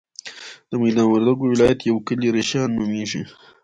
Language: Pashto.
د ميدان وردګو ولایت یو کلی رشیدان نوميږي.